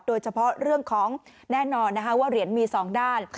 โดยเฉพาะเรื่องของแน่นอนนะคะว่าเหรียญมี๒ด้าน